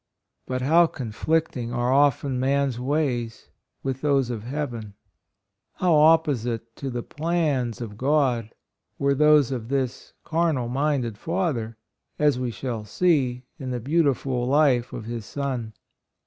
But how conflicting are often man's ways with those of hea ven ! How opposite to the plans of God were those of this carnal minded father, as we shall see in the beautiful life of his son.